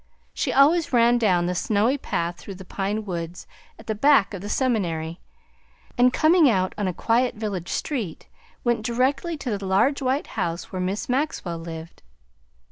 She always ran down the snowy path through the pine woods at the back of the seminary, and coming out on a quiet village street, went directly to the large white house where Miss Maxwell lived.